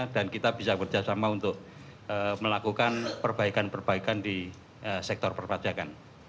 dan kita bisa bekerjasama untuk melakukan perbaikan perbaikan di sektor perpajakan